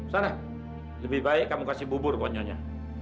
mari lebih baik kamu beri bubur ke konyonya